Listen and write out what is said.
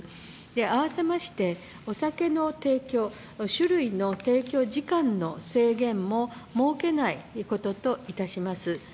併せまして、酒類の提供時間の制限も設けないことといたします。